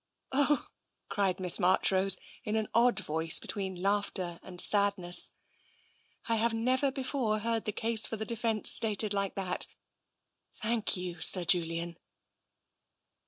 " Oh !'' cried Miss Marchrose, in an odd voice be tween laughter and sadness, " I have never before heard the case for the defence stated like that! Thank you, Sir Julian.'